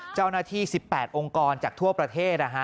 เจ้าหน้าที่๑๘องค์กรจากทั่วประเทศ